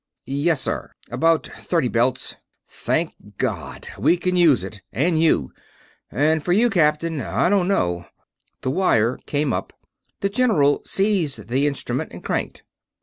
"Yes, sir. About thirty belts." "Thank God! We can use it, and you. As for you, Captain, I don't know...." The wire came up. The general seized the instrument and cranked.